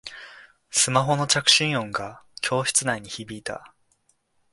スマホの着信音が教室内に響いた